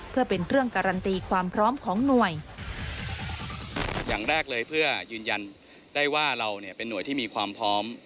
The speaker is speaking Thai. เพื่อเป็นเรื่องการันตีความพร้อมของหน่วยอย่างแรกเลยเพื่อยืนยันได้ว่าเราเนี่ยเป็นห่วยที่มีความพร้อม